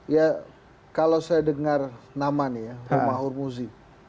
ya kalau saya dengar nama nih ya romar musi